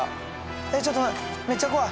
えちょっとめっちゃ怖い。